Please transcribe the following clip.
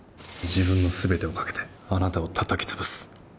自分の全てをかけてあなたをたたき潰す。